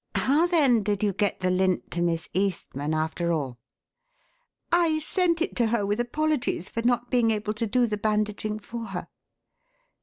How, then, did you get the lint to Miss Eastman, after all?" "I sent it to her with apologies for not being able to do the bandaging for her."